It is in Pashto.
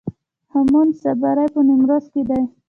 هامون صابري په نیمروز کې دی